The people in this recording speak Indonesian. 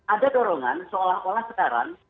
ada dorongan seolah olah sekarang